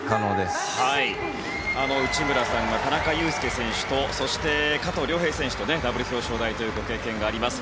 内村さんが田中佑典選手とそして、加藤凌平選手とダブル表彰台というご経験があります。